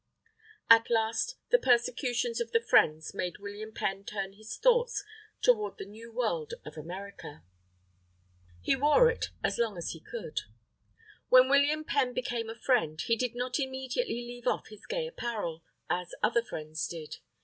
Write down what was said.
At last, the persecutions of the Friends made William Penn turn his thoughts toward the New World of America. HE WORE IT AS LONG AS HE COULD When William Penn became a Friend, he did not immediately leave off his gay apparel, as other Friends did.